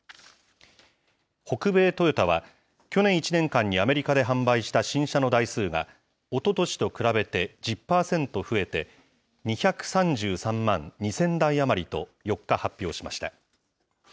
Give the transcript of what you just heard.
北米トヨタは、去年１年間にアメリカで販売した新車の台数が、おととしと比べて１０％増えて、２３３万２０００台余りと、４日、発表しました。